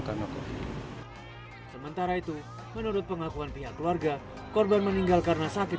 karena kopi sementara itu menurut pengakuan pihak keluarga korban meninggal karena sakit